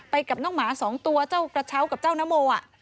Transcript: ไปกับน้องหมา๒ตัวเจ้ากระเชาะกับเจ้าน้ำโม